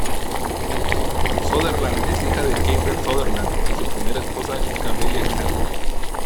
Sutherland es hija de Kiefer Sutherland y su primera esposa, Camelia Kath.